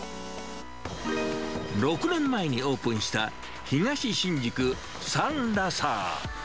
６年前にオープンした、東新宿サンラサー。